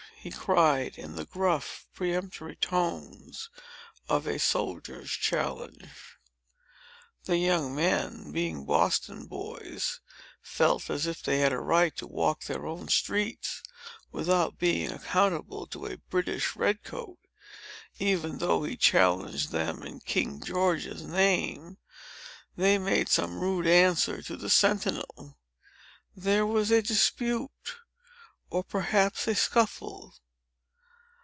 he cried, in the gruff, peremptory tones of a soldier's challenge. The young men, being Boston boys, felt as if they had a right to walk their own streets, without being accountable to a British red coat, even though he challenged them in King George's name. They made some rude answer to the sentinel. There was a dispute, or, perhaps a scuffle.